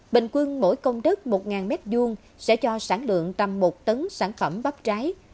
bình quân mỗi công đất một nghìn mét vuông sẽ cho sản lượng tầm một tấn sản phẩm bắp trái